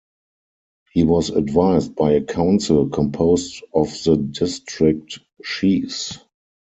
He was advised by a council composed of the district chiefs.